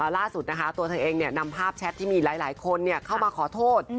ล่าสุดนะคะตัวเธอเองนำภาพแชทที่มีหลายคนเข้ามาขอโทษ